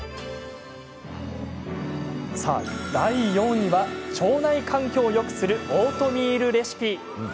第４位は腸内環境をよくするオートミールレシピ。